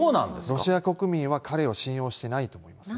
ロシア国民は彼を信用してないと思います。